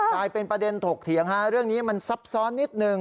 กลายเป็นประเด็นถกเถียงฮะเรื่องนี้มันซับซ้อนนิดนึง